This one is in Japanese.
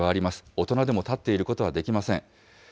大人でも立っていることはできません。